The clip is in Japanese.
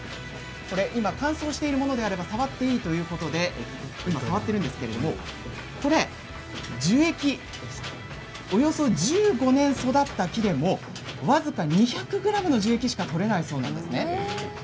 今、乾燥しているものであれば触っていいということで今、触っているんですけど樹液、およそ１５年育った木でも僅か２００ｇの樹液しか取れないそうなんです。